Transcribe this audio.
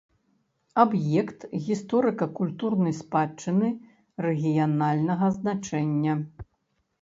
Аб'ект гісторыка-культурнай спадчыны рэгіянальнага значэння.